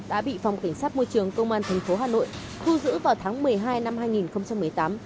đã bị phòng cảnh sát môi trường công an tp hà nội thu giữ vào tháng một mươi hai năm hai nghìn một mươi tám